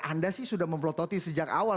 anda sih sudah memplototi sejak awal